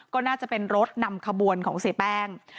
ก็น่าจะเป็นรถนำขบวนของเสียแป้ง